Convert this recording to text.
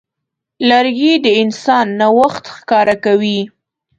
لرګی د انسان نوښت ښکاره کوي.